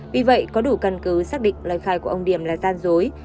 vì vậy có đủ cân cứ xác định lời khai của ông điểm là tan dối